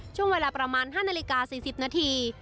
ช่วงเวลาประมาณห้านาฬิกาสี่สิบนาที